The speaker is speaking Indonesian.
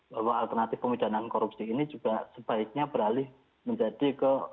bahwa alternatif pemidanaan korupsi ini juga sebaiknya beralih menjadi ke